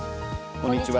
こんにちは。